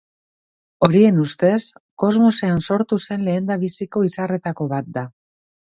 Horien ustez, kosmosean sortu zen lehendabiziko izarretako bat da.